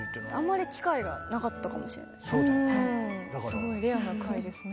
すごいレアな回ですね。